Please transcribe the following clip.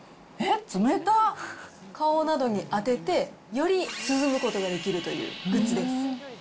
えっ、顔などに当てて、より涼むことができるというグッズです。